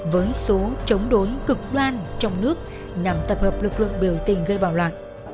với số chống đối cực đoan trong nước nhằm tập hợp lực lượng biểu tình gây bạo loạn